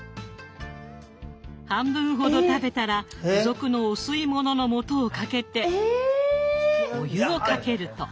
半分ほど食べたら付属のお吸いもののもとをかけてお湯をかけると。